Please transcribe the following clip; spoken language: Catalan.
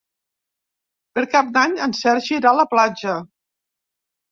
Per Cap d'Any en Sergi irà a la platja.